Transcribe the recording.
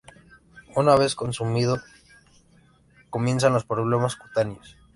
Una vez consumido, comienzan los problemas cutáneos.